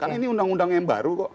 karena ini undang undang yang baru kok